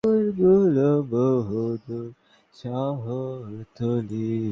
সে খুব সম্ভব তার ঘরে ঢুকেই ছিটিকিনি লাগিয়ে দেয়।